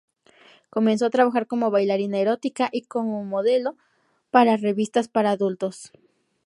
Comenzó a trabajar como bailarina erótica y como modelo para revistas para adultos.